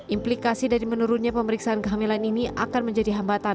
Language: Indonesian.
implikasi dari menurunnya pemeriksaan kehamilan ini akan menjadi hambatan